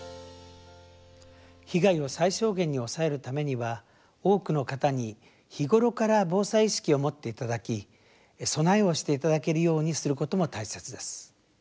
被害を最小限に抑えるためには、多くの方に日頃から防災意識を持っていただき備えをしていただけるようにすることも大切です。